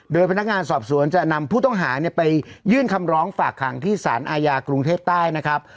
โดยพนักงานสอบสวนจะนำผู้ต้องหาไปยื่นคำร้องฝากขังที่สารอาญากรุงเทพใต้นะครับ